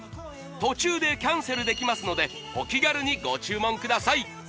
途中でキャンセルできますのでお気軽にご注文ください！